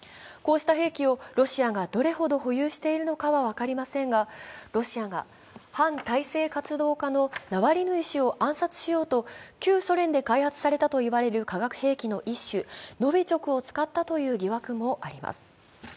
こうした兵器をロシアがどれほど保有しているのかは分かりませんがロシアが反体制活動家のナワリヌイ氏を暗殺しようと旧ソ連で開発されたといわれる化学兵器の一種、ノビチョクを使ったという疑惑もあります。